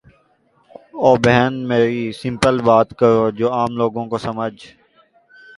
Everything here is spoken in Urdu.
او بہن میری سمپل بات کرو جو عام لوگوں کو سمحجھ